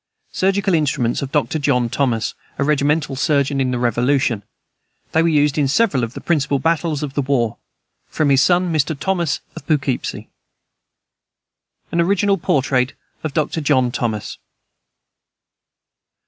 Surgical instruments of Dr. John Thomas, a regimental surgeon in the Revolution. They were used in several of the principal battles of the war. From his son, Mr. Thomas, of Poughkeepsie. Original portrait of Dr. John Thomas.